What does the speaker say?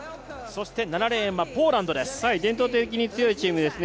そして７レーンはポーランドです。